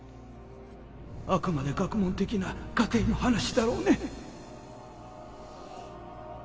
あくまで学問的な仮定の話だろうね？